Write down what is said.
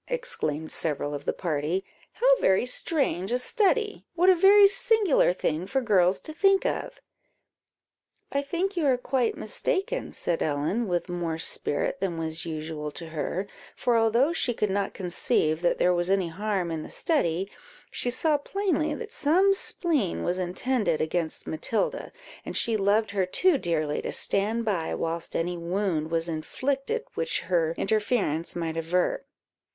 exclaimed several of the party; "how very strange a study! what a very singular thing for girls to think of!" "I think you are quite mistaken," said Ellen, with more spirit than was usual to her; for, although she could not conceive that there was any harm in the study, she saw plainly that some spleen was intended against Matilda, and she loved her too dearly, to stand by whilst any wound was inflicted which her interference might avert.